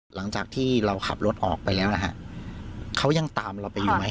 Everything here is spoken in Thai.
หลังจากที่เราขับรถออกไปแล้วนะฮะเขายังตามเราไปอยู่ไหม